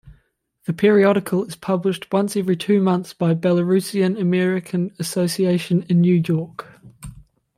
The periodical is published once every two months by Belarusian-American Association in New York.